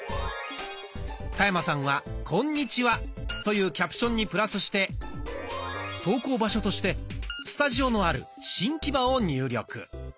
田山さんは「こんにちは」というキャプションにプラスして投稿場所としてスタジオのある新木場を入力。